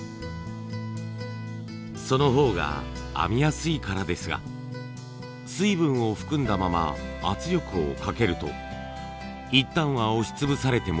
その方が編みやすいからですが水分を含んだまま圧力をかけると一旦は押し潰されてもまた元に戻ってしまいます。